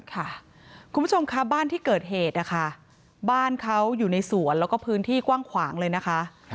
คุณผู้ชมค่ะบ้านที่เกิดเหตุนะคะบ้านเขาอยู่ในสวนแล้วก็พื้นที่กว้างขวางเลยนะคะ